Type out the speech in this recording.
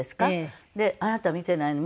「あなた見ていないの？